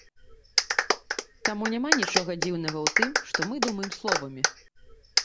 Таму няма нічога дзіўнага ў тым, што мы думаем словамі.